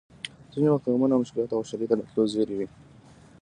ځینې وخت غمونه او مشکلات د خوشحالۍ د راتلو زېری وي!